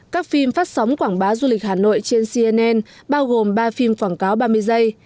các phim phát sóng quảng bá du lịch hà nội trên cnn bao gồm ba phim quảng cáo ba mươi giây